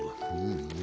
うん？